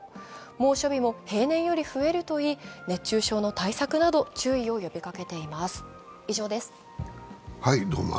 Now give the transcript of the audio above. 猛暑日も平年より増えると言い、熱中症の対策など注意を呼びかけています。